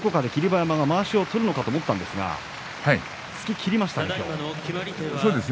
馬山のまわしが取れるかと思ったんですが突ききりましたね。